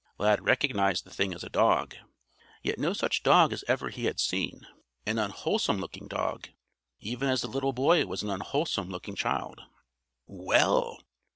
Lad recognized the thing as a dog yet no such dog as ever he had seen. An unwholesome looking dog. Even as the little boy was an unwholesome looking child. "Well!"